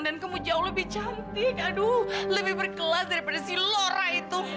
dan kamu jauh lebih cantik aduh lebih berkelas daripada si laura itu